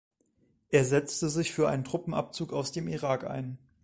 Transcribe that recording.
Er setzte sich für einen Truppenabzug aus dem Irak ein.